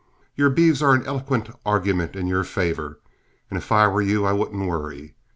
Your beeves are an eloquent argument in your favor, and if I were you I wouldn't worry.